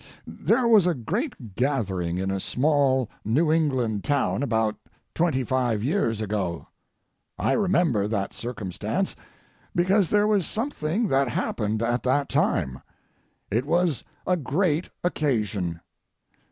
There was a great gathering in a small New England town, about twenty five years ago. I remember that circumstance because there was something that happened at that time. It was a great occasion.